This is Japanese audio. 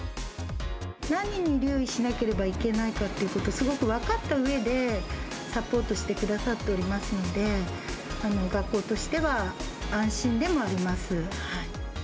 何に留意しなければいけないかっていうことを、すごく分かったうえでサポートしてくださっておりますので、学校としては安心でもあります。